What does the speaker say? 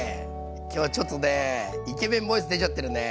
今日ちょっとねイケメンボイス出ちゃってるね。